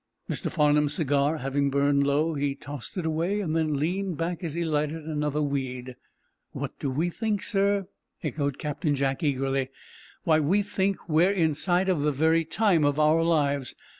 Mr. Farnum's cigar having burned low, he tossed it away, then leaned back as he lighted another weed. "What do we think, sir?" echoed Captain Jack, eagerly. "Why, we think we're in sight of the very time of our lives!